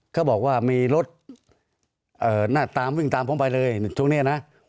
เขาบอกว่ามีรถหน้าตามวิ่งตามผมไปเลยตรงนี้นะ